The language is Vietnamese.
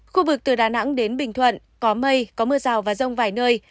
khu vực từ đà nẵng đến bình thuận có mây có mưa rào và rông vài nơi